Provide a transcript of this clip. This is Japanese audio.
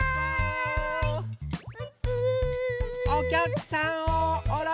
おきゃくさんをおろします！